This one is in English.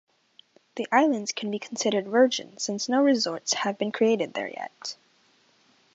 The islands can be considered virgin since no resorts have been created there yet.